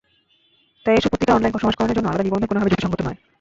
তাই এসব পত্রিকার অনলাইন সংস্করণের জন্য আলাদা নিবন্ধন কোনোভাবেই যুক্তিসংগত নয়।